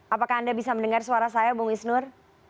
apakah anda bisa mendengar suara saya bung isnur